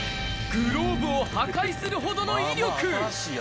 グローブを破壊するほどの威力。